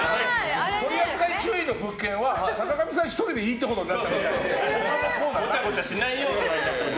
取り扱い注意の物件は坂上さん１人でいいってことになってるので。